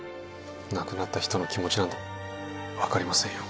亡くなった人の気持ちなんて分かりませんよ